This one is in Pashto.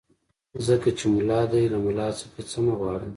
ځکه چې ملا دی له ملا څخه څه مه غواړه.